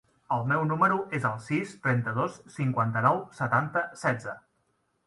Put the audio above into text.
El meu número es el sis, trenta-dos, cinquanta-nou, setanta, setze.